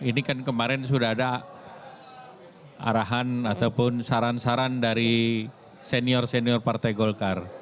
ini kan kemarin sudah ada arahan ataupun saran saran dari senior senior partai golkar